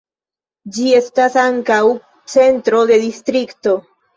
Ĝi estas ankaŭ centro de distrikto.